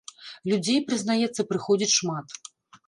Людзей, прызнаецца, прыходзіць шмат.